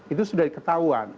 itu sudah diketahui